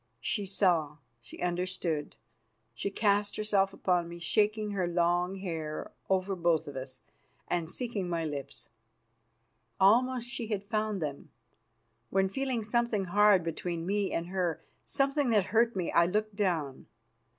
She saw, she understood; she cast herself upon me, shaking her long hair over both of us, and seeking my lips. Almost she had found them, when, feeling something hard between me and her, something that hurt me, I looked down.